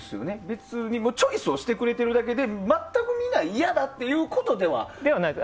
別にチョイスしてくれてるだけで全く見ない嫌だということではなく。